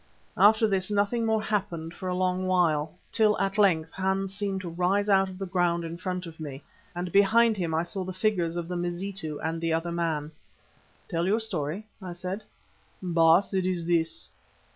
After this nothing more happened for a long while, till at length Hans seemed to rise out of the ground in front of me, and behind him I saw the figures of the Mazitu and the other man. "Tell your story," I said. "Baas, it is this.